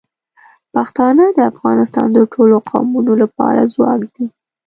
پښتانه د افغانستان د ټولو قومونو لپاره ځواک دي.